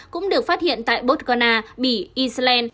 cũng được phát hiện tại botswana bỉ israel